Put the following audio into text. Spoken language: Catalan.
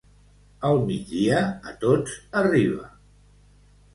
El migdia a tots arriba.